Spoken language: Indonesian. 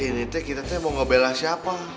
ini kita mau ngebela siapa